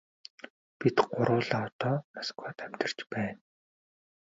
Бид гурвуулаа одоо Москвад амьдарч байна.